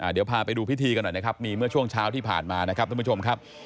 เดี๋ยวพาไปดูพิธีกันหน่อยนะครับมีเมื่อช่วงเช้าที่ผ่านมานะครับท่านผู้ชมครับ